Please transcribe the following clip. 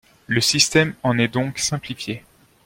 Le système en est donc simplifié.